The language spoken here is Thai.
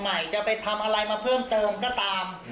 แล้วก็ไปนั่งหัวลาดย๊อบเมียผมอยู่ข้างบ้าน